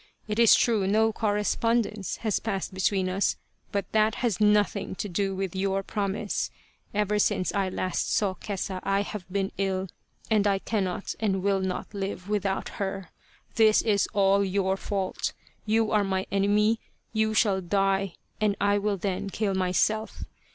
It is true no correspondence has passed between us, but that has nothing to do with your promise. Ever since I last saw Kesa I have been ill, and I cannot and will not live without her. This is all your fault. You are my enemy, you shall die ! and I will then kill myself.